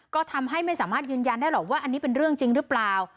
ก็ทำให้ไม่สามารถยืนยันได้หรอกว่าอันนี้เป็นเรื่องจริงหรือเปล่า